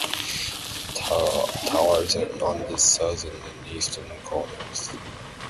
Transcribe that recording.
The towers are on the Southern and Eastern corners.